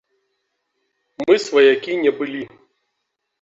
Мы сваякі не былі.